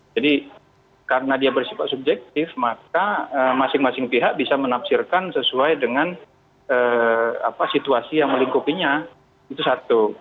karena dia bersifat subjektif maka masing masing pihak bisa menafsirkan sesuai dengan situasi yang melingkupinya itu satu